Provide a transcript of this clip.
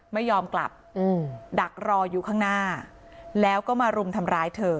ไม่ยอมกลับดักรออยู่ข้างหน้าแล้วก็มารุมทำร้ายเธอ